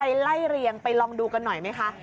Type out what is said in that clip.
ไล่เรียงไปลองดูกันหน่อยไหมคะ